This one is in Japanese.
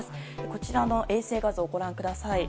こちらの衛星画像をご覧ください。